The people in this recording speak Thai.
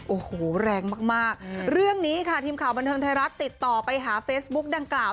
โอ้โหแรงมากมากเรื่องนี้ค่ะทีมข่าวบันเทิงไทยรัฐติดต่อไปหาเฟซบุ๊กดังกล่าว